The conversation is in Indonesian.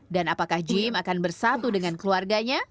dan apakah jim akan bersatu dengan keluarganya